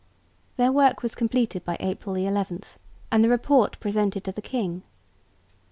Their work was completed by April 11 and the report presented to the king.